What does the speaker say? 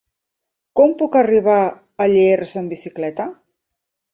Com puc arribar a Llers amb bicicleta?